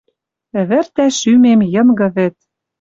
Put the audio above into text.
Ӹвӹртӓ шӱмем Йынгы вӹд.